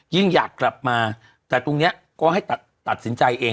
ยิ่งอยากกลับมาแต่ตรงนี้ก็ให้ตัดสินใจเอง